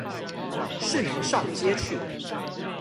市民上街去了